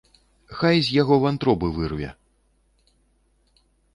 Хай з яго вантробы вырве.